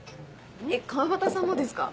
えっ川端さんもですか？